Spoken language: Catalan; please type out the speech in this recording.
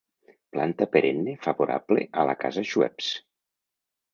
Planta perenne favorable a la casa Schweppes.